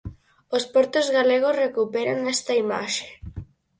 Os portos galegos recuperan esta imaxe.